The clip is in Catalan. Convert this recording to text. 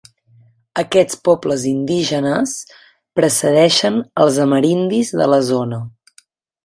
Aquests pobles indígenes precedeixen els amerindis de la zona.